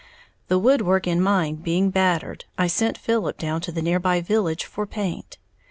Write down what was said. The woodwork in mine being battered, I sent Philip down to the nearby village for paint.